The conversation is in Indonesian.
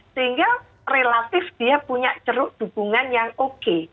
sehingga relatif dia punya ceruk dukungan yang oke